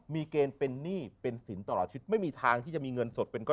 ๒มีเจนเป็นหนี้เป็นศิลป์ตลอดชิดจิดไม่มีทางที่เจ้ามีเงินสดเป็น